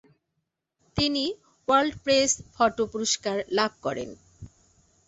তিনি world press photo পুরস্কার লাভ করেন।